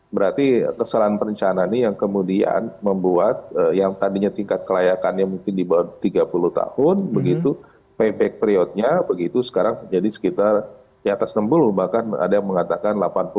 berarti kesalahan perencanaan ini yang kemudian membuat yang tadinya tingkat kelayakannya mungkin di bawah tiga puluh tahun begitu payback periodnya begitu sekarang menjadi sekitar di atas enam puluh bahkan ada yang mengatakan delapan puluh